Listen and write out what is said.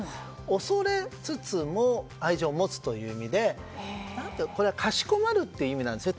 恐れつつも愛情を持つという意味でかしこまるという意味なんです。